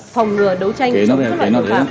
phòng ngừa đấu tranh chính quyền pháp luật